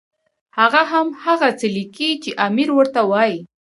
هغه هم هغه څه لیکي چې امیر ورته وایي.